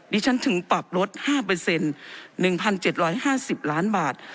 ดิฉันถึงปรับลดห้าเปอร์เซ็นต์หนึ่งพันเจ็ดร้อยห้าสิบล้านบาท